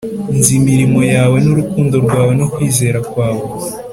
‘Nzi imirimo yawe n’urukundo rwawe no kwizera kwawe,